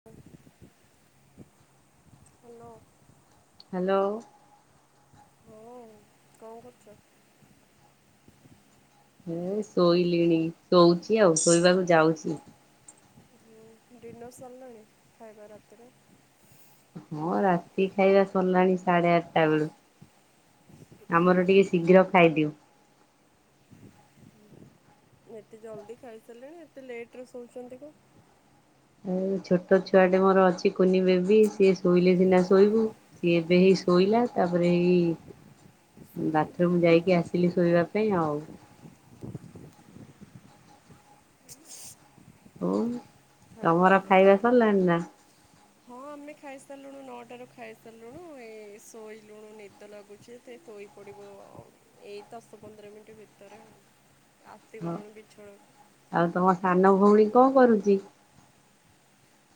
ହ [unintelligible] hello. Hello. ଓ କଣ କରୁଡ଼? ମୁଁ ଶୋଇଲିଣି ଶୋଉଚି ଆଉ ଶୋଇବାକୁ ଯାଉଛି। ଡିନର୍ ସରିଲାଣି ଖାଇବା ରାତିରେ ହଁ ରାତି ଖାଇବା ସରିଲାଣି ସାଢେ ଆଠଟା ବେଳୁ। ଆମର ଟିକେ ଶୀଘ୍ର ଖାଇଦିଅ। ଏତେ ଜଲ୍ଦି ଖାଇସାରିଲେଣି ଏତେ ଲେଟ ରୁ ଶୋଉଚନ୍ତି କଅଁ? ଆଉ ଛୋଟ ଛୁଆଟେ ମୋର ଅଛି କୁନି ବେବି ସିଏ ଶୋଇଲେ ସିନା ଶୋଇବୁ। ସିଏବେ ହେଇ ଶୋଇଲା ତାପରେ ହେଇ ବାଥରୁମ ଯାଇକି ଆସିଲି ଶୋଇବା ପାଇଁ ଆଉ। ହ ହ୍ୟାଲୋ। ତମର ଖାଇବା ସରିଲାଣି ନା? ହଁ ଆମେ ଖାଇସାରିଲୁଣିୁ ନଅଟାରୁ ଖାଇସାରିଲୁଣିୁ ଏଇ ଶୋଇଲୁଣୁ ନିଦ ଲାଗୁଚେ ସେ ଶୋଇ ପଡ଼ିବ ଏଇ ଦଶ ପନ୍ଦର ମିନିଟ୍ ଭିତରେ ହଁ ଆଶିଗଲୁଣୁ ବିଛଣ ଆଉ ତମ ସାନ ଭଉଣୀ କଅଁ କରୁଛି?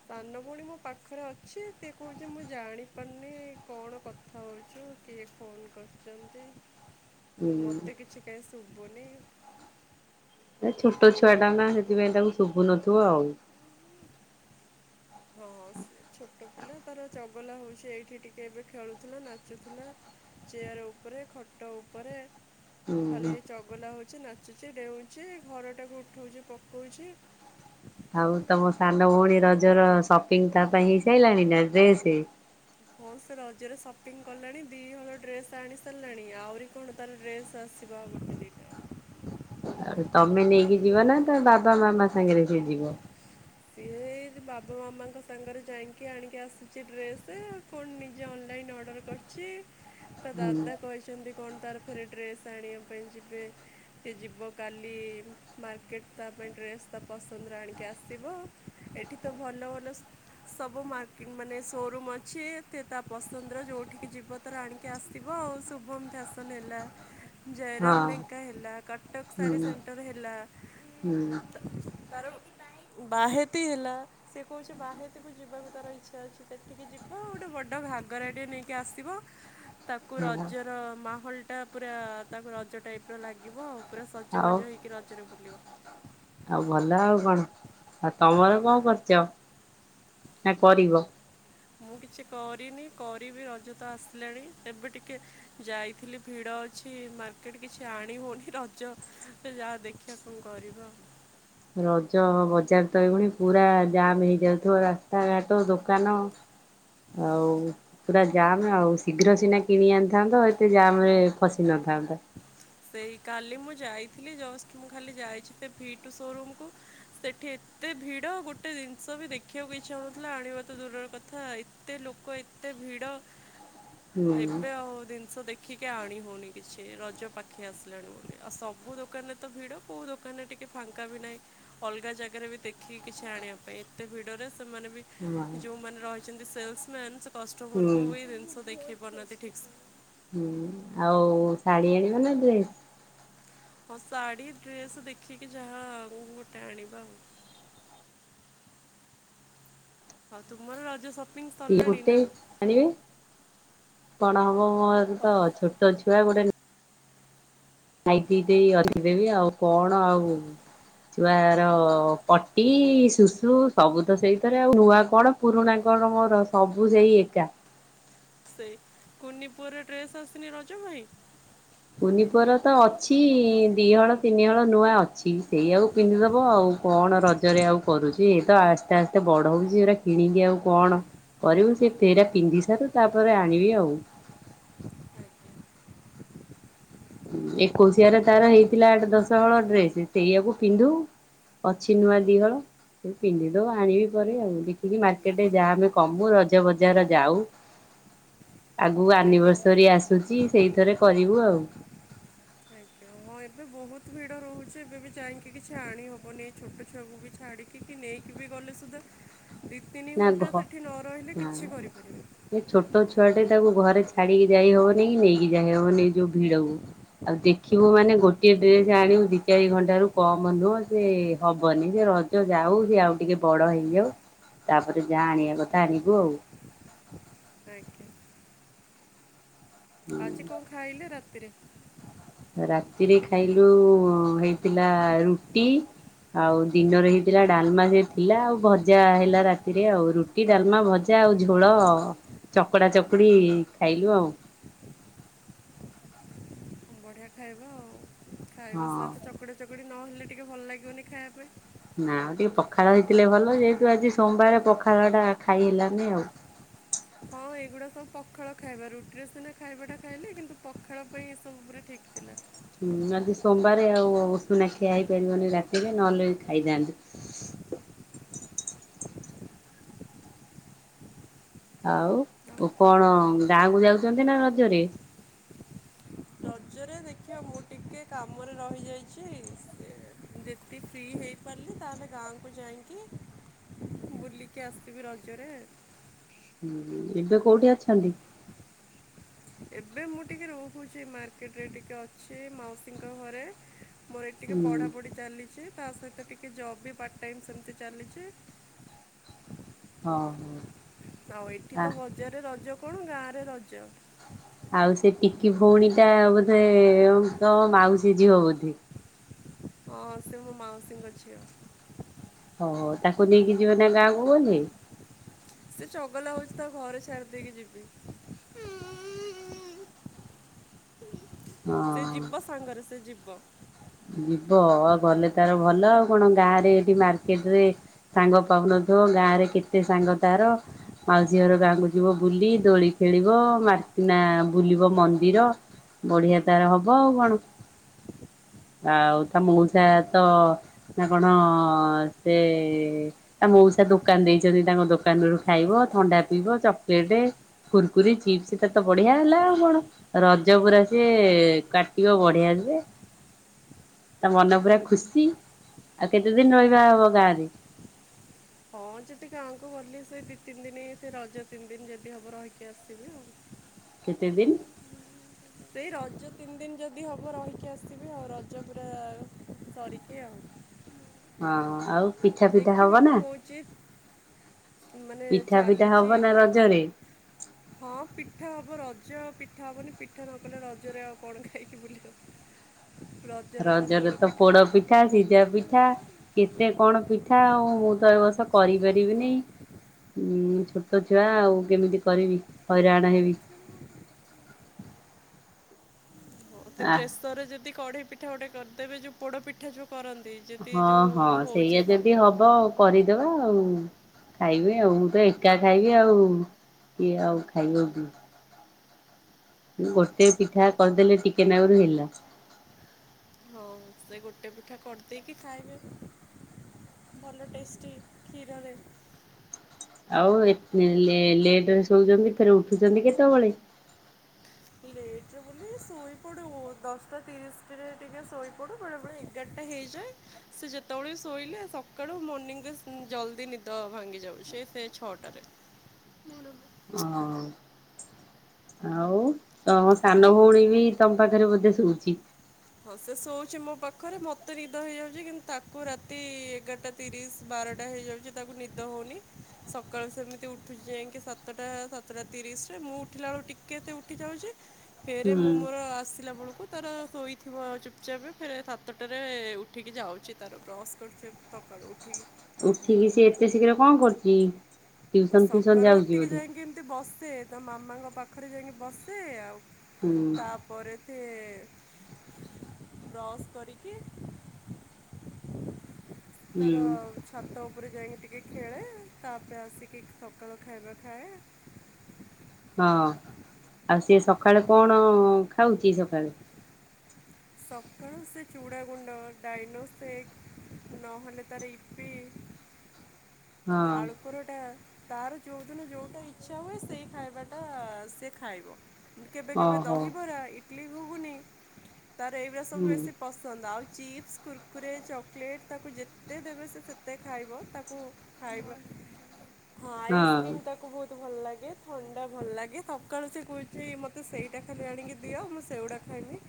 ସାନ ଭଉଣୀ ମୋ ପାଖରେ ଅଛି ସିଏ କହୁଛି ମୁଁ ଜାଣିପାରୁନି କଣ କଥା ହଉଛୁ ସିଏ ଫୋନ୍ କରିଛନ୍ତି। ହ [unintelligible] ମତେ କିଛି ଟେସ୍ ଶୁଭୁନି। ନା ଛୋଟ ଛୁଆ ଟା ନା ସେଥିପାଇଁ ତାକୁ ଶୁଭୁନଥିବ ଆଉ। ହଁ ହଁ ସେ ଛୋଟ ପିଲା ତାର ଚଗଲା ହଉଛି ଏଇଠି ଟିକେ ଏବେ ଖେଳୁଥିଲା ନାଚୁଥିଲା। ଚେୟାର ଉପରେ ଖଟ ଉପରେ ଖାଲି ହୁଁ ଏଇ ଚଗଲା ହଉଛି ନାଚୁଛି ଡେଉଛି ଘର ଟାକୁ ଉଠଉଛି ପକଉଛି। ଆଉ ତମ ସାନ ଭଉଣୀ ରଜର ସପିଙ୍ଗ ତା ପାଇଁ ହେଇସାଇଲାଣି ନା ଡ୍ରେସ? ହଁ ସେ ରଜରେ ସପିଂ କଲାଣି ଦି ହଲ ଡ୍ରେସ୍ ଆଣି ସାରିଲାଣି ଆହୁରି କଣ ତାର ଡ୍ରେସ୍ ଆସିବା ଆଗରୁ ବିନ୍ଦେଇ ଥାଏ ଆଉ ତମେ ନେଇକି ଯିବ ନା ତା ବାବା ମାମା ସାଙ୍ଗରେ ସିଏ ଯିବ? ସିଏ ଏଇ ପ୍ ସିଏ ବାବା ମାମାଙ୍କ ସାଙ୍ଗରେ ଯାଇକି ଆଣିକି ଆସୁଛି ଡ୍ରେସେ କଣ ନିଜେ ଅନଲାଇନ୍ ଅର୍ଡ଼ର କରି ଛି ତା ହୁଁ ଦାଦା କହିଛନ୍ତି କଣ ତାର ଫରେ ଡ୍ରେସ୍ ଆଣିବା ପାଇଁ ଯିବେ ସିଏ ଯିବ କାଲି ମାର୍କେଟ ତା ପାଇଁ ଡ୍ରେସ୍ ତା ପସନ୍ଦରେ ଆଣିକି ଆସି ଥିବ ଏଠି ତ ଭଲ ଭଲ ସ ସବୁ ମକେ ମାନେ ସୋରୁମ୍ ଅଛି ତା ପସନ୍ଦର ଯୋଉଠିକି ଯିବ ତାରଆଣିକି ଆସିବ ଆଉ ଶୁଭମ ଫ୍ୟାସନ୍ ହେଲା ହ [unintelligible] ଜୟରାମ ଲେଙ୍କା ହେ ହେଲା କଟକ ହୁଁ ସାଡି ସେଣ୍ଟର ହେଲା ହୁଁ ତାର-? ବାହେତି ହେଲା- - ସେ କହୁଛି ବାହତିକୁ ଯିବାକୁ ତାର ଇଛା ଅଛି ସେଠିକି ଯିବ ଆଉ ଗୋଟେ ବଡ଼ ଘାଗରାଟେ ନେଇକି ଆସିବ ତାକୁ ରଜର ମାହୋଲ ଟା ପୁରା ତାକୁ ରଜ ଟାଇପ ର ଲାଗିବ ଆଉ ପୁରା ସ ଆଉ ସଜବାଜ ହୋଇକି ରଜରେ ବୁଲିବ। ଆଉ ଭଲ ଆଉ କଣ ଆଉ ତମର କଣ କରିଚ ନା କରିବ? ମୁଁ କିଛି କରିନି କରିବି ରଜ ତ ଆସିଲାଣି ଏବେ ଟିକେ ଯାଇଥିଲି ଭିଡ ଅଛି ମାର୍କେଟ କିଛି ଆଣି ହୋଉନି, ରଜ ସେ ଯାହା ଦେଖିବା କଣ କରିବ। ରଜ ବଜାର ତ ଏଇକୁଣି ପୁରା ଜାମ୍ ହେଇଯାଉଥିବ, ରାସ୍ତା ଘାଟ ଦୋକାନ ଆଉ ପୁରା ଜାମ ଆଉ, ଶୀଘ୍ର ସିନା କିଣି ଆଣିଥାନ୍ତ ଏତେ ଜାମ ରେ ଫସି ନଥାନ୍ତ। ସେଇ କାଲି ମୁଁ ଯାଇଥିଲି ଜଷ୍ଟ ମୁଁ ଖାଲି ଯାଇଛି ସେ ଭିଟୁ ସୋରୁମ୍ କୁ। ସେଠି ଏତେ ଭିଡ ଗୋଟେ ଜିନିଷ ବି ଦେଖିବାକୁ ଇଛା ହୋଉନଥିଲା, ଆଣିବା ତ ଦୂରର କଥା, ଏ ଏତେ ଲୋକ ଏତେ ଭିଡ଼। [inaudible] ଏବେ ଆଉ ଜିନିଷ ଦେଖିକି ଆଣି ହୋଉନି କିଛି, ରଜ ପାଖ ପାଖେଇ ଆସିଲାଣି ବୋଲି ଆଉ ସବୁ ଦୋକାନରେ ତ ଭିଡ଼ କେଉଁ ଦୋକାନରେ ଟିକେ ଫାଙ୍କା ବି ନାହିଁ। ଅଲଗା ଜାଗାରେ ବି ଦେଖିକି କିଛି ଆଣିବା ପାଇଁ ଏତେ ଭିଡରେ ସେମାନେ ବି ହଁ ଯୋଉମାନେ ରହିଛନ୍ତି ସେଲସ ମ୍ୟାନ୍ ସେ କଷ୍ଟମର ହୁଁ କୁ ଭି ଜିନିଷ ଦେଖେଇ ପାରୁନାହାନ୍ତି ଠିକ ସେ। ହୁଁ ଆଉ ଶାଢୀ ଆଣିବ ନା ଡ୍ରେସ୍? ହଁ ଶାଢ଼ୀ ଡ୍ରେସ ଦେଖିକି ଯାହା ଆଉ ଗୋଟେ ଦେଖିକି ଆଣିବା ଆଉ। ହଁ ତୁମର ରଜ ସପି ଗୋଟେ ଆଣିବେ, କଣ ହବ ମୋର ଅ, ତ ଛୋଟ ଝିଅ ଗୋଟେ ନାଇଟି ଟିଏ ରଖିଦେବି ଆଉ କଣ ଆଉ ଛୁଆର ପଟି ଶୁଶୁ ସବୁ ତ ସେଇଥିରେ, ଆଉ ନୂଆ କଣ? ପୁରୁଣା କଣ ମୋର ସବୁ ସେଇ ଏକା ସେଇ କୁନିପୁଅର ଡ୍ରେସ ଆଶୁନି ରଜ ପାଈଁ? କୁନିପୁଅର ତ ଅଛି ଦିହଳ ତିନିହଳ ନୂଆ ଅଛି ସେଇ ଆକୁ ପିନ୍ଧିଦବ ଆଉ କଣ ରଜରେ ଆଉ କରୁଛି, ଏ ତ ଆସ୍ତେ ଆସ୍ତେ ବଡ ହୋଉଛି ଏଟା କିଣିକି ଆଉ କଣ କରିବୁ ସେ ଫେରା ପିନ୍ଧି ସାରୁ ତାପରେ ଆଣିବି ଆଉ। ଆଜ୍ଞା। ଏକୋଇଶିଆରେ ତାର ହେଇଥିଲା ଆଠ ଦଶହଳ ଡ୍ରେସ ସେଇଆକୁ ପିନ୍ଧୁ ଅଛି ନୂଆ ଦିଇହଳ। ପିନ୍ଧି ଦୋଉ ଆଣିବି ପରେ ଆଉ, ଦେଖିକି ମାର୍କେଟରେ ଜାମ୍ କମୁ ରଜ ବଜାର ଯାଉ। ଆଗକୁ ହଁ ଏବେ ଆନିଭର୍ସରୀ ଆସୁଛି ସେଇଥରେ କରିବୁ ଆଉ। ଆଜ୍ଞା ହଁ ଏବେ ବୋହୁତ ଭିଡ଼ ରହୁଚି ଏବେ ବି ଯାଇକି କିଛି ଆଣିହେବନି ଛୋଟ ଛୁଆକୁ ବି ଛାଡ଼ିକି। [unintelligible] ନେଇକି ବି ଗଲେ ସୁଦ୍ଧା ଦି ତିନି ନା ଘ ଘଣ୍ଟା ହଁ ସେଠି ନ ରହିଲେ କିଛି କରିପାରିବେ ଏ ଛୋଟ ଛୁଆଟେ ତାକୁ ଘରେ ଛାଡିକି ଯାଇହବନି କି ନେଇକି ଯାଇହବନି ଏଇ ଯୋଉ ଭିଡକୁ। ଆଉ ଦେଖିବୁ ମାନେ ଗୋଟିଏ ଡ୍ରେସ ଆଣିବୁ ଦି ଚାରି ଘଣ୍ଟ ରୁ କମ ନୁହଁ ସେ ହବନି ସେ ରଜ ସେ ରଜ ଯାଉ ସେ ଆଉ ଟିକେ ବଡ ହେଇଯାଉ। ତାପରେ ଯାହା ଆଣିବା କଥା ଆଣିବୁ ଆଉ। [inaudible] ଆଜି କଣ ଖାଇଲେ ରାତିରେ? ରାତିରେ ଖାଇଲୁ ହେଇଥିଲା ରୁଟି। ଆଉ ଦିନରେ ହେଇଥିଲା ଡାଲମା ସେ ଥିଲା ଆଉ ଭଜା ହେଲା ରାତିରେ ଆଉ ରୁ ରୁଟି ଡାଲମା ଭଜା ଆଉ ଝୋଳ ଚକଡ଼ା ଚକୁଡ଼ି ଖାଇଲୁ ଆଉ। ବଢ଼ିଆ ଖାଇବା ଆଉ ଖାଇବା ହଁ ସହିତ ଚକୁଡ଼ି ଚକୁଡ଼ି ନହେଲେ ଟିକେ ଭଲ ଲାଗିବନି ଖାଇବା ପାଇଁ। ନା ଆଉ ଟିକେ ପଖାଳ ହେଇଥିଲେ ଭଲ ଯେହେତୁ ଆଜି ସୋମବାର ପଖାଳ ଟା ଖାଇ ହେଲାନି ଆଉ। ହଁ ଏଇଗୁଡ଼ା ସବୁ ପଖାଳ ଖାଇବାମ ରୁଟିର ସିନା ଖାଇବାଟା ଖାଇଲେ କିନ୍ତୁ ପଖାଳ ପାଇଁ ଏସବୁ ପୁରା ଠିକ୍ ଥିଲା। ହୁଁ। ଆଜି ସୋମବାରେ ଆଉ ଉଷୁନା ଖିଆ ହେଇପାରିବନି ରାତିରେ ନହେଲେ ଖାଇଥାନ୍ତି। ହଁ। ଆଉ କଣ ଗାଁକୁ ଯାଉଛନ୍ତି ନା ରଜରେ? ରଜରେ ଦେଖିଆ ମୁଁ ଟିକେ କାମରେ ରହିଯାଇଚି ସେ ଫ୍ରି ହେଇପାରିଲି ତାହେଲେ ଗାଁକୁ ଯାଇଁକି ବୁଲିକି ଆସିବି ରଜରେ। ଏବେ କୋଉଠି ଅଛନ୍ତି? ଏବେ ମୁଁ ଟିକେ ରହୁଛି ମାର୍କେଟରେ ଟିକେ ଅଛି ମାଉସୀଙ୍କ ଘରେ। ମୋର ଏଇଠି ଟିକେ ହୁଁ ପଢ଼ାପଢ଼ି ଚାଲିଚି। ତା ସହିତ ଟିକେ ଜବ୍ ବି ପାର୍ଟ ଟାଇମ୍ ସେମିତି ଚାଲିଚି। ହଁ ହଁ। ଆଉ ଏଠି ତ ବଜାରରେ ରଜ କଣ ଗାଁରେ ରଜ। ଆଉ ସେ ଟିକି ଭଉଣୀ ଟା ବୋଧେ ତମ ମାଉସି ଝିଅ ବୋଧେ? ହଁ ସେ ମୋ ମାଉସୀଙ୍କ ଝିଅ। ଓହୋ। ତାକୁ ନେଇକି ଯିବ ନା ଗାଁକୁ ଗଲେ? ସେ ଚଗଲା ହଉଚି ତାକୁ ଘରେ ଛାଡି ଦେଇକି ଯିବି। [inaudible] ହଁ। ସେ ଯିବ ସାଙ୍ଗରେ ସେ ଯିବ। ଯିବ ଆଉ ଗଲେ ତାର ଭଲ ଆଉ କଣ। ଗାଁ ରେ ଏଠି ମାର୍କେଟ ରେ ସାଙ୍ଗ ପାଉନଥିବ, ଗାଁ ରେ କେତେ ସାଙ୍ଗ ତାର। ମାଉସୀ ଘର ଗାଁକୁ ଯିବ ବୁଲି। ଦୋଳି ଖେଳିବ। [unintelligible] ବୁଲିବ ମନ୍ଦିର। ବଢିଆ ତାର ହବ ଆଉ କଣ। ଆଉ ତା ମଉସା ତ ନା କଣ ସେ ତା ମଉସା ଦୋକାନ ଦେଇଛନ୍ତି ତାଙ୍କ ଦୋକାନ ରୁ ଖାଇବ ଥଣ୍ଡା ପିଇବ ଚକଲେଟେ କୁୁରକୁରି, ଚିପ୍ସ ତାର ତ ବଢିଆ ହେଲା ଆଉ କଣ। ରଜ ପୁରା ସିଏ କାଟିବ ବଢିଆ ସେ। ତା ମନ ପୁରା ଖୁସି। ଆଉ କେତେ ଦିନ୍ ରହିବା ହବ ଗାଁରେ? ହଁ ଯଦି ଗାଁକୁ ଗଲି ସେ ଦିଇ ତିନି ଦିନି ସେ ରଜ ତିନି ଦିନ ଯଦି ହବ ରହିକି ଆସିବି ଆଉ। କେତେ ଦିନ୍? ସେଇ ରଜ ତିନି ଦିନି ଯଦି ହବ ରହିକି ଆସିବି ଆଉ। ରଜ ପୁରା ସରିକି ଆଉ। ହଁ। ଆଉ ପିଠା ଫିଠା ଦେଖିବା ହବ ନା? [unintelligible] ମାନେ ପିଠା ପିଠା ହବ ଚାଲିଚି ନା ରଜରେ ହଁ ପିଠା ହବ। ରଜ ଆଉ ପିଠା ହବନି, ପିଠା ନ କଲେ ରଜରେ ଆଉ କଣ ଖାଇକି ବୁଲିବ। ର ରଜରେ ତ ପୋଡ଼ପିଠା, ସିଝାପିଠା କେତେ କଣ ପିଠା ଆଉ। ମୁଁ ତ ଏ ବର୍ଷ କରିପାରିବିନି। ଉଁ, ଛୋଟ ଛୁଆ ଆଉ କେମିତି କରିବି। ହଇରାଣ ହେବି। ହଁ ସେ ଆ ପ୍ରେସର ରେ ଯଦି କଢ଼େଇ ପିଠା ଗୋଟେ କରିଦେବେ, ଯୋଉ ପୋଡ଼ପିଠା ଯୋଉ କରନ୍ତି, ହଁ ଯେତିକି ଯଉ ହଁ ସେଇଆ ହଉଚି ଯଦି ସବୁ। ହବ କରିଦବା ଆଉ। ଖାଇବେ ଆଉ। ମୁଁ ତ ଏକା ଖାଇବି ଆଉ, କିଏ ଆଉ ଖାଇବ କି। ଗୋଟିଏ ପିଠା କରିଦେଲେ ଟିକେ ନାକୁରୁ ହେଲା। ହଁ। ସେ ଗୋଟେ ପିଠା କରିଦେଇକି ଖାଇବେ। ଭଲ ଟେଷ୍ଟି କ୍ଷୀରରେ। ଆଉ ଏତ୍ ଲେ ଲେଟ୍ ରେ ଶୋଉଛନ୍ତି ଫେର୍ ଉଠୁଛନ୍ତି କେତେବେଳେ? ଲେଟ୍ ରେ ବୋଲି ଶୋଇପଡୁ ଦଶଟା ତିରିଶିରେ ଟିକେ ଶୋଇପଡୁ ବେଳେ ବେଳେ ଏଗାରଟା ହେଇଯାଏ। ସେ ଯେତେବେଳେ ଶୋଇଲେ ସକାଳୁ ମର୍ଣିିଂରେ ଜଲ୍ଦି ନିଦ ଭାଙ୍ଗି ଯାଉଛି ସେ ସେଇ ଛଅଟାରେ। ଅ ହଁ। ଆଉ ତମ ସାନ ଭଉଣୀ ବି ତମ ପାଖରେ ବୋଧେ ଶୁଉଛି? ହଉ ସେ ଶୋଉଛି ମୋ ପାଖରେ ମତେ ନିଦ ହେଇଯାଉଛି କିନ୍ତୁ ତାକୁ ରାତି ଏଗାରଟା ତିରିଶ୍ ବାରଟା ହେଇଯାଉଛି ତାକୁ ନିଦ ହେଉନି ସକାଳୁ ସେମିତି ଉଠୁଛି ଯାଇକି ସା ସାତଟା ସାତଟା ତିରିଶରେ ମୁଁ ଉଠିଲା ବେଳକୁ ଟିକେ ଏତେ ଉଠି ଯାଉଛି। ଫେରେ ହୁଁ ମୁଁ ମୋର ଆସିଲା ବେଳକୁ ତାର ଶୋଇ ଥିବ ଚୁପ୍‌ଚାପ୍ ଫେରେ ସାତଟାରେ ଉଠିକି ଯାଉଛି ତାର ବ୍ରସ୍ କରୁଛି ସକାଳୁ ଉଠିକି। ଉଠିକି ସେ ଏତେ ଶୀଘ୍ର କଣ କରୁଛି? ଟିଉସନ ଫ୍ୟୁସନ ସକାଳୁ ଯାଉଛି ଉଠିକି ବୋଧେ ଯାଇକି ଏମିତି ବସେ ତା ମାମାଙ୍କ ପାଖରେ ଯାଇକି ବସେ ଆଉ। ହୁଁ ତାପରେ ଥେ ବ୍ରସ୍ କରିକି ସେ ହୁଁ ତାର ଛାତ ଉପରେ ଯାଇଁକି ଟିକେ ଖେଳେ ତାପରେ ଆସିକି ସକାଳୁ ଖାଇବା ଖାଏ। ହଁ ଆଉ ସେ ସକାଳେ କଣ ଖାଉଛି ସକାଳେ? ସକାଳୁ ସେ ଚୁଡ଼ାଗୁଣ୍ଡ ଡାଇନୋସେକ୍ ନହେଲେ ତାର ଇପି ହଁ ଆଳୁ ପରଟା ତାର ଯେଉଦିନ ଯେଉଟା ଇଚ୍ଛା ହୁଏ ସେଇ ଖାଇବାଟା ସେ ଖାଇବ। କେବେ କେବେ ଓହୋ ଦହିବରା ଇଟିଲିି ଘୁଗୁନି ତାର ଏଇ ସବୁ ହୁଁ ବେଶୀ ପସନ୍ଦ ଆଉ ଚିପ୍ସ କୁରକୁରି ଚକ୍‌ଲେଟ୍ ତାକୁ ଯେତେ ଦେବେ ସେ ସେତେ ଖାଇବ ତାକୁ ଖାଇବା ହଁ ଆଇସ୍କ୍ରିମ୍ ତାକୁ ବହୁତ୍ ମତେ ଭଲ୍ ଲାଗେ ଥଣ୍ଡା ଭଲ୍ ଲାଗେ ସକାଳୁ ସେ କହୁଛି ମୋତେ ସେଇଟା ଖାଲି ଆଣିକି ଦିଅ ମୁଁ ସେଇଗୁଡ଼ା ଖାଇବି।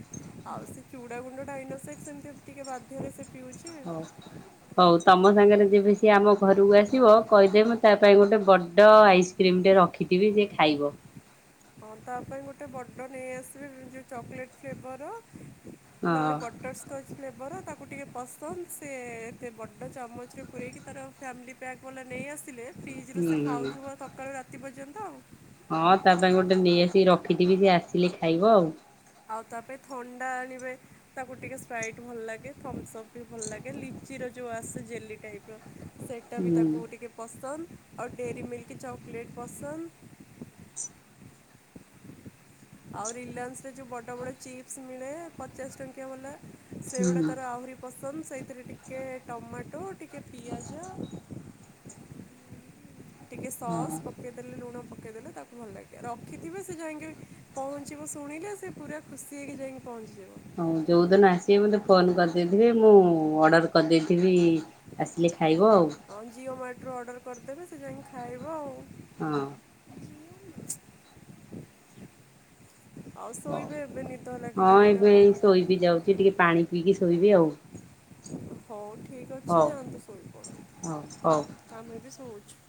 ଆଉ ସେ ଚୁଡ଼ା ଗୁଣ୍ଡ ଡାଇନୋସେସ୍କ ଏମିତି ଟିକେ ବାଧ୍ୟରେ ସେ ପିଉଛି। ହ ହଉ ତମ ସାଙ୍ଗରେ ଯେବେ ସେ ଆମ ଘରକୁ ଆସିବ କହିଦେବେ ମୁଁ ତା ପାଇଁ ଗୋଟେ ବଡ଼ଆଇସି କ୍ରିମି ଟେ ରଖିଥିବି ସେ ଖାଇବ। ହଁ ତା ପାଇଁ ଗୋଟେ ବଡ଼ ନେଇ ଆସିବେ ଯୋଉ ଚକ୍‌ଲେଟ ଫ୍ଲେବର ନହେଲେ ହଁ ବଟର୍ସ କଚ୍ ଫ୍ଲେବର ତାକୁ ଟିକେ ପସନ୍ଦ ସେ ଏତେ ବଡ଼ ଚା ମଚରେ ପୁରରେଇକି ତାର ଫାମିଲି ପେକ୍ ବାଲା ନେଇ ଆସିଲେ ଫ୍ରିଜ୍‌ ରୁ ହୁଁ। ସେ ଖାଉଥିବ ସକାଳୁ ରାତି ପର୍ଯ୍ୟନ୍ତ ଆଉ। ହଁ ତା ପାଇଁ ଗୋଟେ ନେଇ ଆସିକି ରଖିଥିବି ସେ ଆସିଲେ ଖାଇବ ଆଉ। ଆଉ ତା ପାଇଁ ଥଣ୍ଡା ଆଣିବେ। ତାକୁ ଟିକେ ସ୍ପ୍ରାଇଟ୍ ଭଲ ଲାଗେ ଥମସ୍ପ ବି ଭଲ ଲାଗେ ଲିଚିର ଯଉ ଆସେ ଜେଲି ଟାଇପ ର। ସେଟା ବି ହୁଁ ତାକୁ ଟିକେ ପସନ୍ଦ ଆଉ ଡେରି ମିଲ୍କ ଚକୋଲେଟ୍ ପସନ୍ଦ। ଆଉ ରିଲାନ୍ସରେ ଯୋଉ ବଡ ବଡ ଚିପ୍ସ ମିଳେ ପଚାଶ ଟଙ୍କିଆ ବଲା। ସେଗୁଡ଼ା ହୁଁ। ତାର ଆହୁରି ପସନ୍ଦ ସେଇଥିରେ ଟିକେ ଟମାଟୋ ଟିକେ ପିଆଜ। ଟିକେ ସସ୍। ହଁ ପକେଇଦେଲେ ଲୁଣ ପକେଇଦେଲେ ତାକୁ ଭଲ ଲାଗେ ରଖିଥିବେ ସେ ଯାଇକି ପହଞ୍ଚିବ ଶୁଣିଲେ ସେ ପୁରା ଖୁସି ହେଇକି ଯାଇଙ୍ଗି ପହଞ୍ଚିିଯିବ। ହଉ ଯେଉଁଦିନ ଆସିବେ ମୋତେ ଫୋନ୍ କରିଦେଇଥିବେ ମୁଁ ଅର୍ଡ଼ର କରିଦେଇଥିବି। ଆସିଲେ ଖାଇବ ଆଉ। ହଁ ଜିଓମାଟୋରୁ ଅର୍ଡ଼ର କରିଦେବେ ସେ ଯାଇକି ଖାଇବ ଆଉ। ହଁ। [unintelligible] ଆଉ ହଉ। ଶୋଇବେ ଏବେ ନିଦ ଲାଗିଲାଣିନା କଣ କରିବି। ସେ ଟିକେ ପାଣି ପିଇକି ଶୋଇବି ଆଉ। ହଉ ଠିକ୍ ଅଛି ହଉ ଯାଆନ୍ତୁ ହଉ ହଉ। ଶୋଇପଡ଼ନ୍ତୁ ଆମେବି ଶୋଉଚୁ।